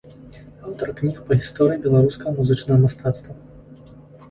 Аўтар кніг па гісторыі беларускага музычнага мастацтва.